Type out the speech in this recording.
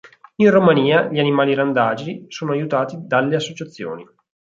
In Romania, gli animali randagi sono aiutati dalle associazioni.